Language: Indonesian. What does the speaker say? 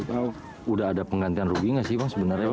sudah ada penggantian rugi nggak sih bang sebenarnya